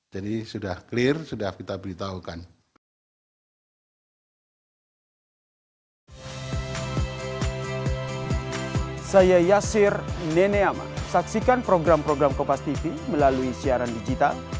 jadi sudah clear sudah kita beritahukan